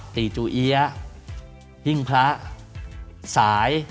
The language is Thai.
ตีจูเอี๊ยะหิ้งพระสาย